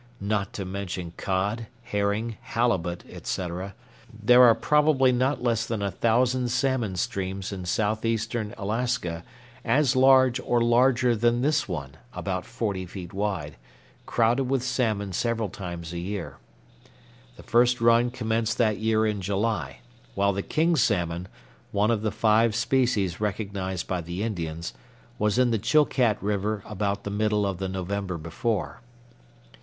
Not to mention cod, herring, halibut, etc., there are probably not less than a thousand salmon streams in southeastern Alaska as large or larger than this one (about forty feet wide) crowded with salmon several times a year. The first run commenced that year in July, while the king salmon, one of the five species recognized by the Indians, was in the Chilcat River about the middle of the November before.